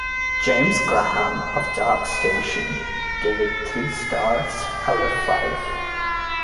James Graham of "Dark Station" gave it three stars out of five.